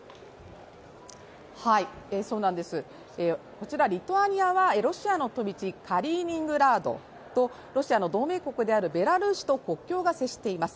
そうなんです、こちらリトアニアはロシアの飛び地カリーニングラードとロシアの同盟国であるベラルーシと国境が接しています。